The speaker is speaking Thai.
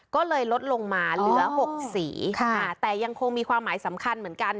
ก็เลยลดลงมาเหลือ๖สีแต่ยังคงมีความหมายสำคัญเหมือนกัน